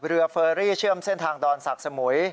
เฟอรี่เชื่อมเส้นทางดอนศักดิ์สมุย